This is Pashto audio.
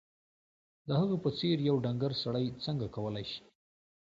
د هغه په څېر یو ډنګر سړی څنګه کولای شي